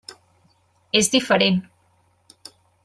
És diferent.